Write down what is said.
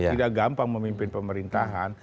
tidak gampang memimpin pemerintahan